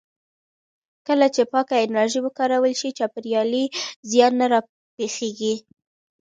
کله چې پاکه انرژي وکارول شي، چاپېریالي زیان نه پراخېږي.